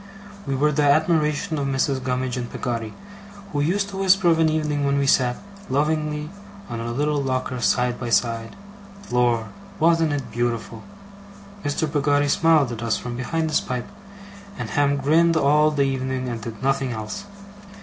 We were the admiration of Mrs. Gummidge and Peggotty, who used to whisper of an evening when we sat, lovingly, on our little locker side by side, 'Lor! wasn't it beautiful!' Mr. Peggotty smiled at us from behind his pipe, and Ham grinned all the evening and did nothing else.